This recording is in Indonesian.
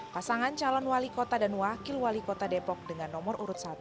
pasangan calon wali kota dan wakil wali kota depok dengan nomor urut satu